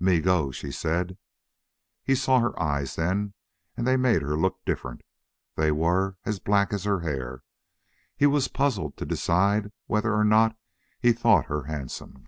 "Me go," she said. He saw her eyes then, and they made her look different. They were as black as her hair. He was puzzled to decide whether or not he thought her handsome.